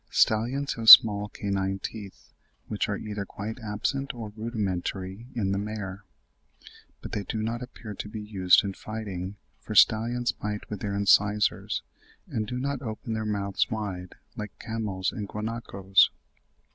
Stallions have small canine teeth, which are either quite absent or rudimentary in the mare; but they do not appear to be used in fighting, for stallions bite with their incisors, and do not open their mouths wide like camels and guanacoes.